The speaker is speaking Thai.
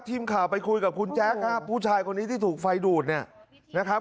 ทีมข่าวไปคุยกับคุณแจ๊คครับผู้ชายคนนี้ที่ถูกไฟดูดเนี่ยนะครับ